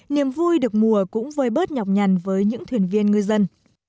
niềm vui được mùa cũng vơi bớt nhọc nhằn với những thuyền viên ngư dân